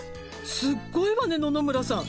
すごいわね野々村さん。